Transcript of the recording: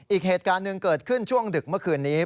อีกเหตุการณ์หนึ่งเกิดขึ้นช่วงดึกเมื่อคืนนี้